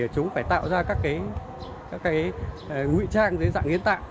chúng phải tạo ra các ngụy trang dưới dạng hiến tạng